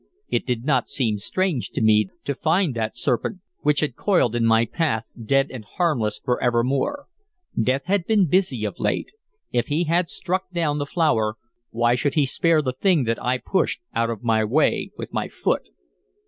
It did not seem strange to me to find that serpent, which had coiled in my path, dead and harmless for evermore. Death had been busy of late; if he struck down the flower, why should he spare the thing that I pushed out of my way with my foot?